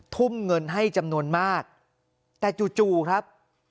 ทุ่มเงินให้จำนวนมากแต่จู่จู่ครับ